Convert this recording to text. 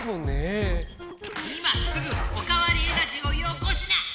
今すぐおかわりエナジーをよこしな！